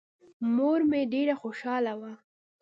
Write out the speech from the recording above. مور مې ډېره خوشاله وه.